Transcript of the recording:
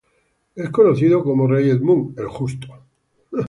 Es conocido como Rey Edmund, El Justo.